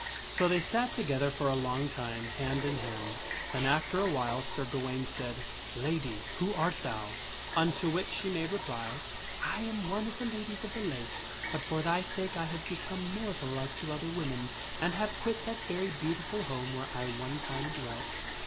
( So they sat together for a long time, hand in hand. Then after a while Sir Gawaine said, " Lady, who art thou?" Unto which she made reply, " I am one of the Ladies of the Lake ; but for thy sake I have become mortal like to other women and have quit that very beautiful home where I one time dwelt.